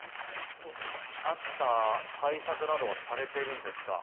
暑さ、対策などはされているんですか。